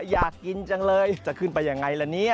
อยากกินจังเลยจะขึ้นไปอย่างไรล่ะ